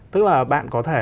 tức là bạn có thể